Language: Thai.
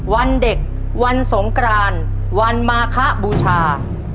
วันเด็กวันสงกรานวันมาคะบูชา